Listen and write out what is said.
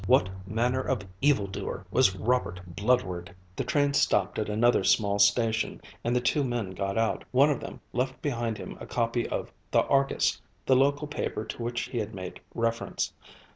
What manner of evildoer was Robert Bludward? The train stopped at another small station, and the two men got out. One of them left behind him a copy of the Argus, the local paper to which he had made reference.